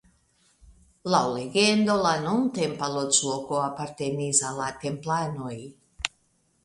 Laŭ legendo la nuntempa loĝloko apartenis al la Templanoj.